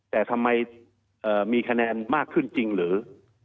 แต่ทำไมมีคะแนนมากขึ้นจริงหรือ